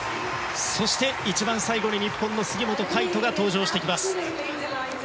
そして、一番最後に日本の杉本海誉斗が登場します。